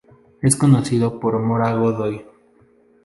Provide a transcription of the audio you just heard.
Es conducido por: Mora Godoy.